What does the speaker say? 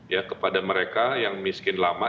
ya kepada mereka yang miskin lama